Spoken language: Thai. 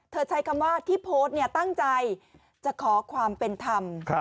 ใช้คำว่าที่โพสต์ตั้งใจจะขอความเป็นธรรม